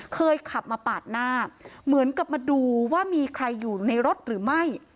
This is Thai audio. ขับมาปาดหน้าเหมือนกับมาดูว่ามีใครอยู่ในรถหรือไม่